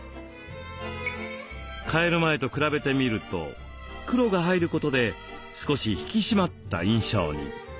替える前と比べてみると黒が入ることで少し引き締まった印象に。